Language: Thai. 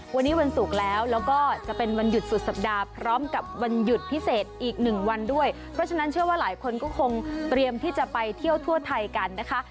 วันนี้วันศุกร์แล้วแล้วก็จะเป็นวันหยุดสุดสัปดาห์พร้อมกับวันหยุดพิเศษอีกหนึ่งวันด้วยเพราะฉะนั้นเชื่อว่าหลายคนก็คงเตรียมที่จะไปเที่ยวทั่วไทยกันนะคะ